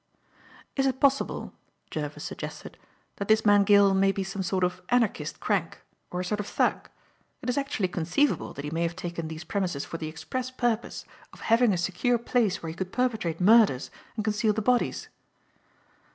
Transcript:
"Is it possible," Jervis suggested, "that this man Gill may be some sort of anarchist crank? Or a sort of thug? It is actually conceivable that he may have taken these premises for the express purpose of having a secure place where he could perpetrate murders and conceal the bodies."